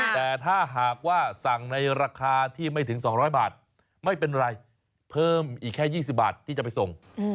แต่ถ้าหากว่าสั่งในราคาที่ไม่ถึง๒๐๐บาทไม่เป็นไรเพิ่มอีกแค่๒๐บาทที่จะไปส่ง